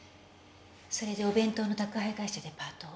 「それでお弁当の宅配会社でパートを」